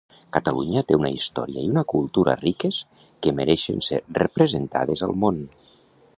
Catalunya té una història i una cultura riques que mereixen ser representades al món